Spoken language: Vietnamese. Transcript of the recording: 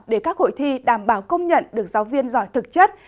để các hội thi đảm bảo công nhận được giáo viên giỏi thực chất